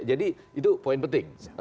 jadi itu poin penting